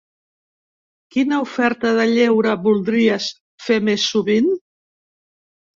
Quina oferta de lleure voldries fer més sovint?